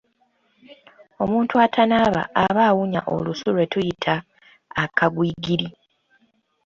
Omuntu atanaaba aba awunya olusu lwe tuyita "Akagwigiri".